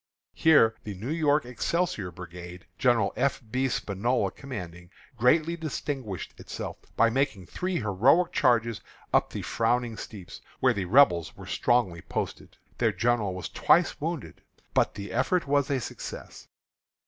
Here the New York Excelsior Brigade, General F. B. Spinola commanding, greatly distinguished itself, by making three heroic charges up the frowning steeps, where the Rebels were strongly posted. Their general was twice wounded. But the effort was a success.